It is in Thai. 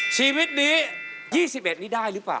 ชีวิตนี้๒๑นี้ได้หรือเปล่า